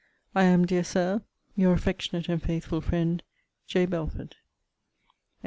I am, dear Sir, Your affectionate and faithful friend, J. BELFORD.